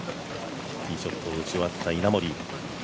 ティーショットを打ち終わった稲森。